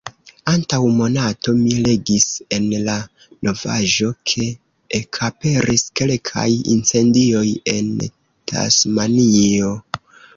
Antaŭ monato, mi legis en la novaĵo ke ekaperis kelkaj incendioj en Tasmanio.